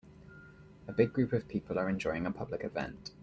A big group of people are enjoying a public event.